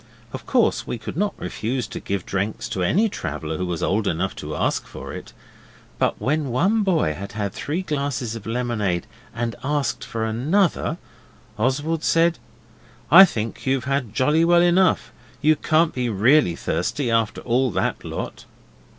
Of course we could not refuse to give drinks to any traveller who was old enough to ask for it, but when one boy had had three glasses of lemonade and asked for another, Oswald said 'I think you've had jolly well enough. You can't be really thirsty after all that lot.